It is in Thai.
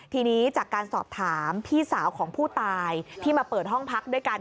ทีนี้จากการสอบถามพี่สาวของผู้ตายที่มาเปิดห้องพักด้วยกัน